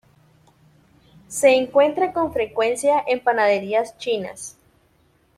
Se encuentra con frecuencia en panaderías chinas.